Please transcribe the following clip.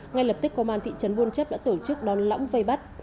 ngay lập tức công an thị trấn buôn chấp đã tổ chức đón lõng vây bắt